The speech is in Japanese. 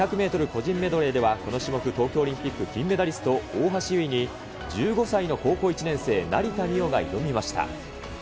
個人メドレーでは、この種目、東京オリンピック金メダリスト、大橋悠依に１５歳の高校１年生、成田実生が挑みました。